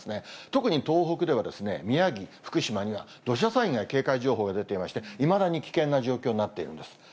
特に東北では、宮城、福島には土砂災害警戒情報が出ていまして、いまだに危険な状況になっているんです。